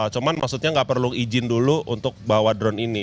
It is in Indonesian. cuman maksudnya nggak perlu izin dulu untuk bawa drone ini